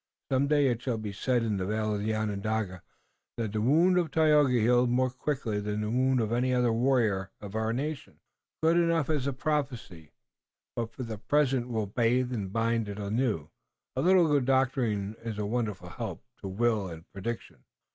Some day it shall be said in the Vale of Onondaga that the wound of Tayoga healed more quickly than the wound of any other warrior of our nation." "Good enough as a prophecy, but for the present we'll bathe and bind it anew. A little good doctoring is a wonderful help to will and prediction."